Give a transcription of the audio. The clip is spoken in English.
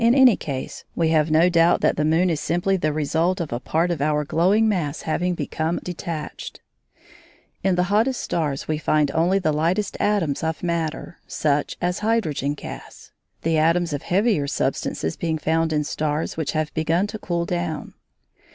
In any case, we have no doubt that the moon is simply the result of a part of our glowing mass having become detached. In the hottest stars we find only the lightest atoms of matter, such as hydrogen gas, the atoms of heavier substances being found in stars which have begun to cool down.